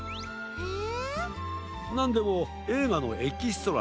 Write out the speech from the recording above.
へえ！